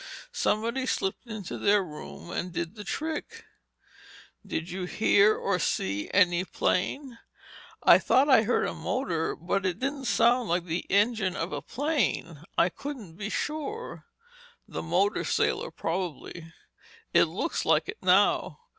Somebody slipped into their room and did the trick." "Did you hear or see any plane?" "I thought I heard a motor, but it didn't sound like the engine of a plane. I couldn't be sure." "The motor sailor, probably?" "It looks like it, now.